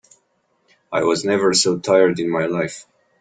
I was never so tired in my life.